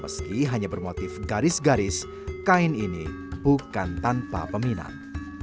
meski hanya bermotif garis garis kain ini bukan tanpa peminat